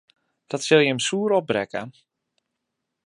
Dat sil jim soer opbrekke.